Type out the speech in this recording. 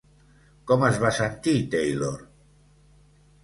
Com es va sentir Taylor?